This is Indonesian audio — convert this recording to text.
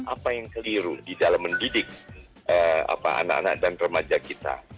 apa yang keliru di dalam mendidik anak anak dan remaja kita